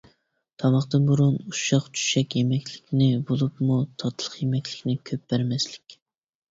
تاماقتىن بۇرۇن ئۇششاق-چۈششەك يېمەكلىكنى، بولۇپمۇ تاتلىق يېمەكلىكنى كۆپ بەرمەسلىك.